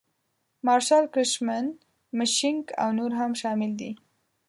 مارشال کرشمن مشینک او نور هم شامل دي.